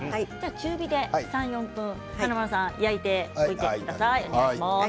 中火で３、４分華丸さん焼いておいてください。